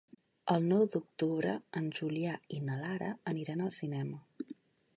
El nou d'octubre en Julià i na Lara aniran al cinema.